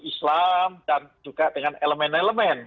islam dan juga dengan elemen elemen